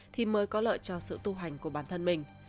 thì mới có lợi cho sự tu hành của bản thân mình